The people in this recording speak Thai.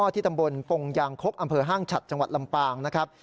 ที่ตำบลปงยางคกอำเภอห้างฉัดจังหวัดลำปางนะครับ